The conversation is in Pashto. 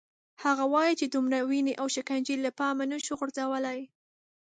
هغه وايي چې دومره وینې او شکنجې له پامه نه شو غورځولای.